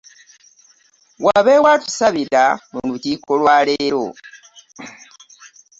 Wabeewo atusabira mu lukiiko lwa leero .